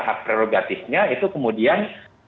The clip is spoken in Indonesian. hak prerogatifnya itu kemudian